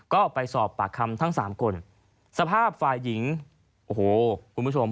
ก็ไปสอบปากคำทั้งสามคนสภาพฝ่ายหญิงโอ้โหคุณผู้ชม